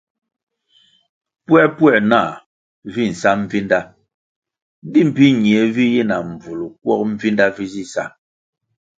Puēpuē nah vi nsa mbvinda di mbpi nie vi yi na mbvul kwog Mbvinda vi zi sa ?